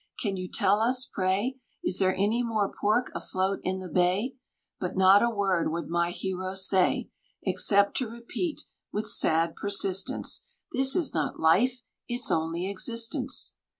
Can you tell us, pray, Is there any more pork afloat in the bay?" But not a word would my hero say, Except to repeat, with sad persistence, "This is not life, it's only existence."